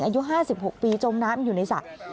อายุ๕๖ปีจมน้ำอยู่ในสระ